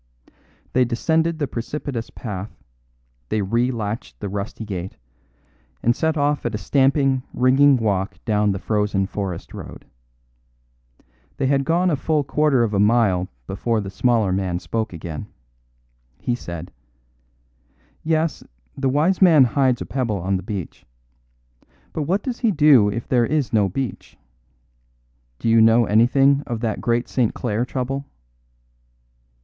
They descended the precipitous path, they relatched the rusty gate, and set off at a stamping, ringing walk down the frozen forest road. They had gone a full quarter of a mile before the smaller man spoke again. He said: "Yes; the wise man hides a pebble on the beach. But what does he do if there is no beach? Do you know anything of that great St. Clare trouble?"